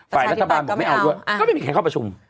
ฝ่ายรัฐบาลบอกไม่เอาด้วยก็ไม่มีใครเข้าประชุม